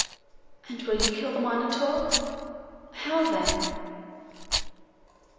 'And will you kill the Minotaur? How, then?